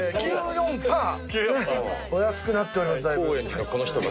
お安くなっておりますだいぶ。